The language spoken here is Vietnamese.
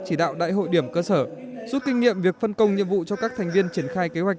chỉ đạo đại hội điểm cơ sở rút kinh nghiệm việc phân công nhiệm vụ cho các thành viên triển khai kế hoạch